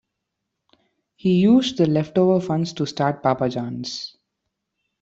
He used the leftover funds to start Papa John's.